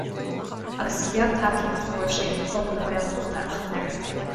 Agus is beag tacaíocht a fuair sé ó phobal na Gaeltachta ach an oiread.